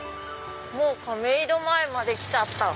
もう「亀戸駅前」まで来ちゃった。